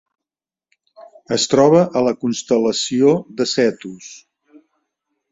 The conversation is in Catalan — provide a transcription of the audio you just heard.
Es troba a la constel·lació de Cetus.